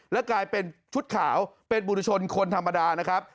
และกลายเป็นชุดขาวเป็นบุรุชนคนธรรมดานะครับ